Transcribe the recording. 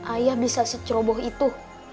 ayah bisa seceroboh itu